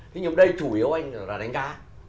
thế nhưng mà đây chủ yếu anh là đánh cá